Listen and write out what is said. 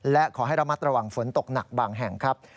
และขอให้ระมัดระวังฝนตกหนักบางแห่งครับ